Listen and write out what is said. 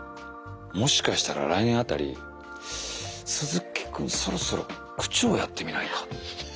もしかしたら来年辺り「鈴木君そろそろ区長をやってみないか？」。